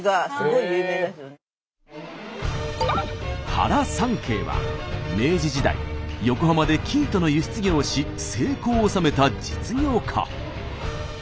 原三溪は明治時代横浜で生糸の輸出業をし成功を収めた実業家。